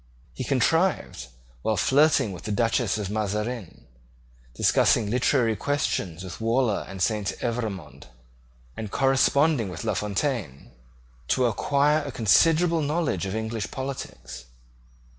He contrived, while flirting with the Duchess of Mazarin, discussing literary questions with Waller and Saint Evremond, and corresponding with La Fontaine, to acquire a considerable knowledge of English politics.